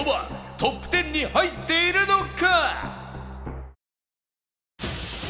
トップ１０に入っているのか？